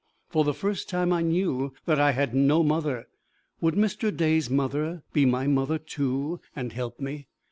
For the first time I knew that I had no mother! Would Mr. Day's mother be my mother too, and help me?